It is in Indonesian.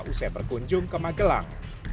usai berkunjung ke magelang